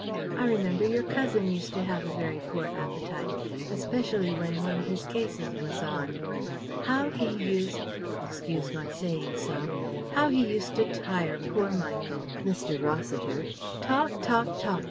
I remember your cousin used to have a very poor appetite, especially when one of his cases was on. How he used excuse my saying so how he used to tire poor Michael Mr. Rossiter! Talk, talk, talk!